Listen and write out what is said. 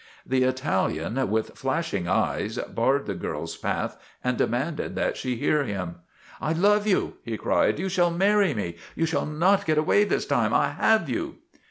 The Italian, with flashing eyes, barred the girl's path and demanded that she hear him. " I love you !' he cried. " You shall marry me! You shall not get away this time. I have you."